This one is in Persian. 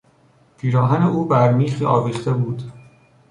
پیراهن او بر میخی آویخته بود.